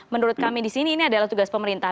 menurut kami di sini ini adalah tugas pemerintah